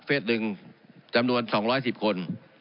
๑จำนวน๒๑๐คน